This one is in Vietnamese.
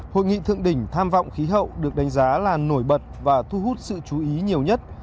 hội nghị thượng đỉnh tham vọng khí hậu được đánh giá là nổi bật và thu hút sự chú ý nhiều nhất